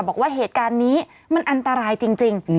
บอกว่าเหตุการณ์นี้มันอันตรายจริง